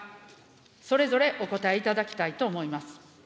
それぞれお答えいただきたいと思います。